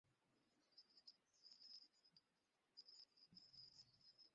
তিস্তায় পানিপ্রবাহ কমে যাওয়ার বিষয়টি খতিয়ে দেখতে ইতিমধ্যেই বিশেষজ্ঞদের নির্দেশ দেওয়া হয়েছে।